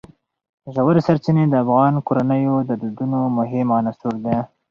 ژورې سرچینې د افغان کورنیو د دودونو مهم عنصر دی.